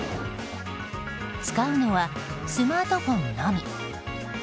使うのはスマートフォンのみ。